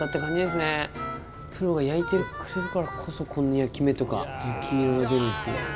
プロが焼いてくれるからこそこんな焼き目とか焼き色が出るんですね。